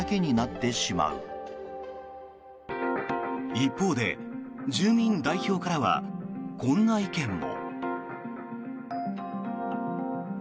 一方で、住民代表からはこんな意見も。